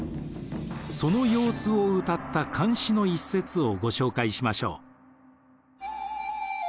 その様子をうたった漢詩の一節をご紹介しましょう。